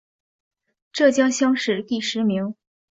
浙江乡试第十名。